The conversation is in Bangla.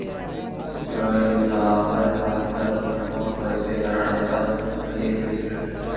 সূরায়ে তা-হার আয়াত দ্বারাও প্রমাণিত হয় যে, তারা রাস্তা হারিয়ে ফেলেছিলেন।